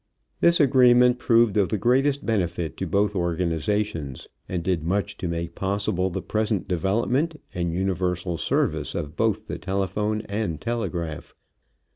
This agreement proved of the greatest benefit to both organizations, and did much to make possible the present development and universal service of both the telephone and telegraph.